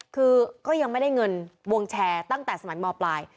คือก็ยังไม่ได้เงินวงแชร์ตั้งแต่สมัยมปลาย